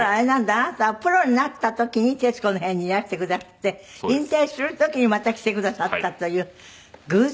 あなたがプロになった時に『徹子の部屋』にいらしてくだすって引退する時にまた来てくださったという偶然。